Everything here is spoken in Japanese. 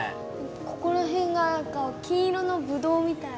ここら辺が金色のブドウみたい。